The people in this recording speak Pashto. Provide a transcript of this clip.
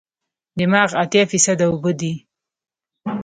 دماغ اتیا فیصده اوبه دي.